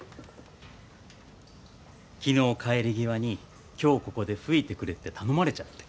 昨日帰り際に今日ここで吹いてくれって頼まれちゃって。